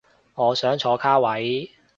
我想坐卡位